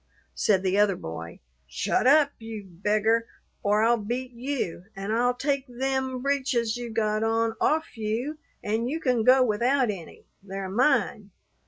Said the other boy, "Shut up, you beggar, or I'll beat you; an' I'll take them breeches you got on off you, an' you can go without any they're mine.